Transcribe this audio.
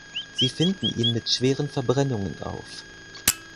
Sie finden ihn mit schweren Verbrennungen auf.